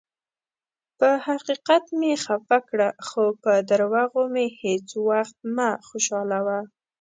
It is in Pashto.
پۀ حقیقت مې خفه کړه، خو پۀ دروغو مې هیڅ ؤخت مه خوشالؤه.